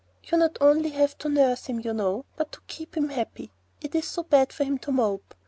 You not only have to nurse him, you know, but to keep him happy. It's so bad for him to mope.